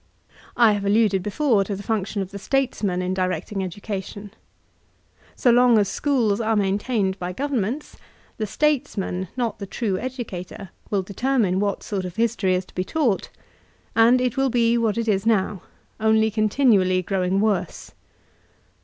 I have alluded before to the function of the statesman in directing edu cation. So long as schools are maintained by govern ^ ments^ the Statesman, not the true educator, will deter mine what sort of history is to be taught; and it will be what it is now, only continually growing worse.